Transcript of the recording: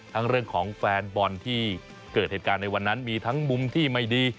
เรื่องของแฟนบอลที่เกิดเหตุการณ์ในวันนั้นมีทั้งมุมที่ไม่ดี